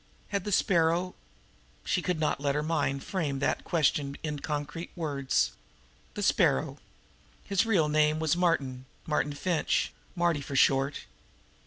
Had the Sparrow She would not let her mind frame that question in concrete words. The Sparrow! His real name was Martin, Martin Finch Marty, for short.